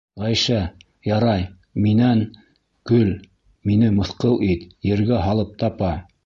Ғәйшә, ярай, минән көл, мине мыҫҡыл ит, ергә һалып тапа!